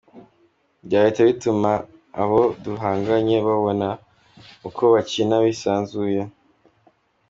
Byahitaga bituma abo duhanganye babona uko bakina bisanzuye.